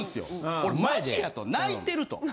俺マジやと泣いてると。